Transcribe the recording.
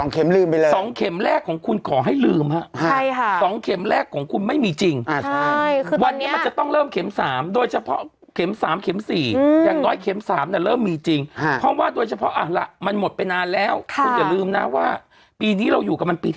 ลืมไปแล้ว๒เข็มแรกของคุณขอให้ลืมฮะ๒เข็มแรกของคุณไม่มีจริงวันนี้มันจะต้องเริ่มเข็ม๓โดยเฉพาะเข็ม๓เข็ม๔อย่างน้อยเข็ม๓เริ่มมีจริงเพราะว่าโดยเฉพาะล่ะมันหมดไปนานแล้วคุณอย่าลืมนะว่าปีนี้เราอยู่กับมันปี